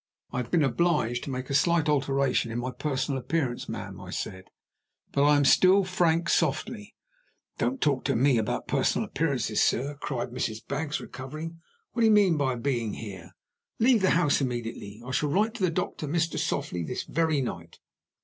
"I have been obliged to make a slight alteration in my personal appearance, ma'am," I said. "But I am still Frank Softly." "Don't talk to me about personal appearances, sir," cried Mrs. Baggs recovering. "What do you mean by being here? Leave the house immediately. I shall write to the doctor, Mr. Softly, this very night."